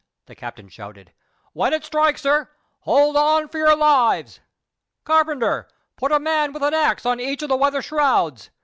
the captain shouted. "When it strikes her, hold on for your lives. Carpenter, put a man with an axe at each of the weather shrouds.